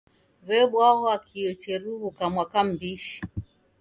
W'ebwaghwa kio cheruw'uka mwaka m'bishi.